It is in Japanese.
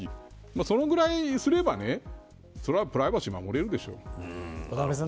そのぐらいすればそれはプライバシーが守れるでしょう。